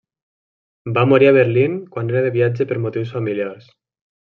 Va morir a Berlín quan era de viatge per motius familiars.